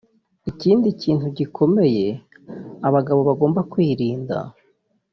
Ikindi kintu gikomeye abagabo bagomba kwirinda